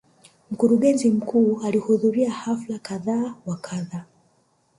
Mkurugenzi mkuu alihudhuria hafla kadha wa kadha.